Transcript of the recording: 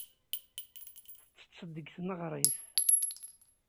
Tettetteḍ deg tneɣrit?